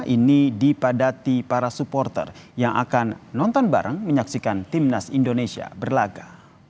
ini dipadati para supporter yang akan nonton bareng menyaksikan timnas indonesia berlaga